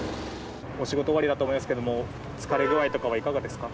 お仕事終わりだと思いますけれども疲れ具合とかはいかがですか？